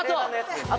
あ！